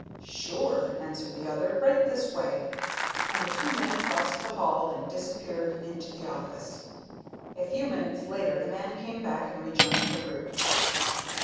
"Sure," answered the other. "Right this way," and the two men crossed the hall and disappeared in the office. A few minutes later the man came back and rejoined the group.